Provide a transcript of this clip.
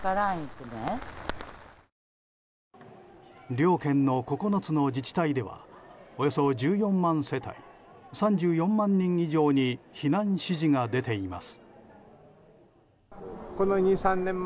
両県の９つの自治体ではおよそ１４万世帯３４万人以上に避難指示が出ています。